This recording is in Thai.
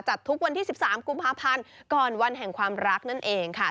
ทุกวันที่๑๓กุมภาพันธ์ก่อนวันแห่งความรักนั่นเองค่ะ